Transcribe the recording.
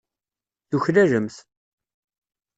Tuklalemt.